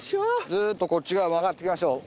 ずーっとこっち側曲がっていきましょう。